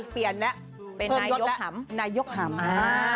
เป็นนายกห่ำ